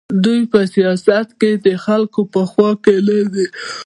دوی په سیاست کې د خلکو په خوا کې نه دي.